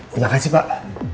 terima kasih pak